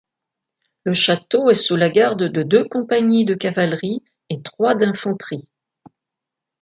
Le château est sous la garde de deux compagnies de cavalerie et trois d'infanterie.